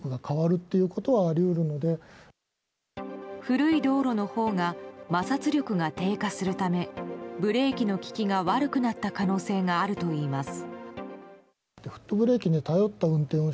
古い道路のほうが摩擦力が低下するためブレーキの利きが悪くなった可能性があるといいます。